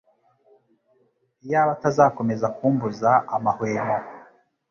Iyaba atazakomeza kumbuza amahwemo